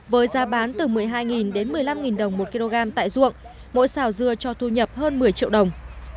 với giá bán từ một mươi hai đến một mươi năm đồng một kg tại ruộng mỗi xào dưa cho thu nhập hơn một mươi triệu đồng